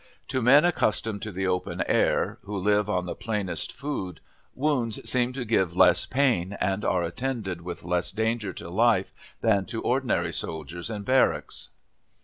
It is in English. To men accustomed to the open air, who live on the plainest food, wounds seem to give less pain, and are attended with less danger to life than to ordinary soldiers in barracks.